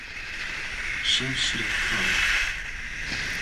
Şev şîretkar in.